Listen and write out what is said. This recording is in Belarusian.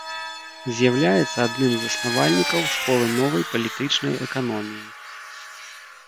З'яўляецца адным з заснавальнікаў школы новай палітычнай эканоміі.